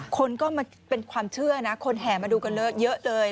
คนก็มาเป็นความเชื่อนะคนแห่มาดูกันเลอะเยอะเลย